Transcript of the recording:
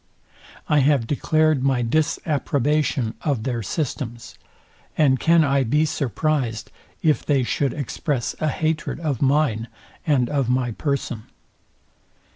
I have declared my disapprobation of their systems; and can I be surprized, if they should express a hatred of mine and of my person?